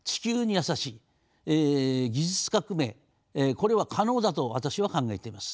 これは可能だと私は考えています。